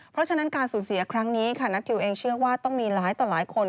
เพราะฉะนั้นการสูญเสียครั้งนี้ค่ะนัททิวเองเชื่อว่าต้องมีหลายต่อหลายคน